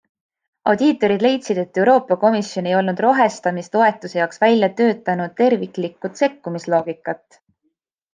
Audiitorid leidsid, et Euroopa Komisjon ei olnud rohestamistoetuse jaoks välja töötanud terviklikku sekkumisloogikat.